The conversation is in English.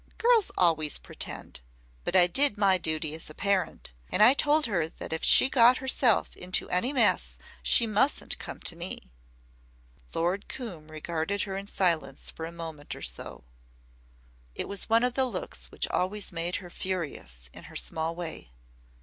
Girls always pretend. But I did my duty as a parent. And I told her that if she got herself into any mess she mustn't come to me." Lord Coombe regarded her in silence for a moment or so. It was one of the looks which always made her furious in her small way.